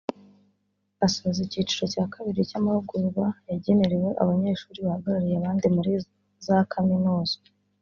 Asoza icyiciro cya kabiri cy’amahugurwa yagenerewe Abanyeshuri bahagarariye abandi muri za Kaminuza